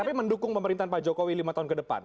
tapi mendukung pemerintahan pak jokowi lima tahun ke depan